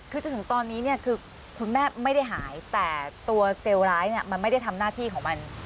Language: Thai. คือจนถึงตอนนี้เนี่ยคือคุณแม่ไม่ได้หายแต่ตัวเซลล์ร้ายเนี่ยมันไม่ได้ทำหน้าที่ของมัน